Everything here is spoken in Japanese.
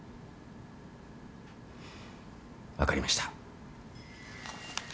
分かりました。